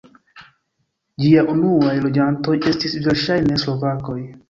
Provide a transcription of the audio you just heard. Ĝia unuaj loĝantoj estis verŝajne slovakoj.